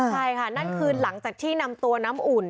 ใช่ค่ะนั่นคือหลังจากที่นำตัวน้ำอุ่น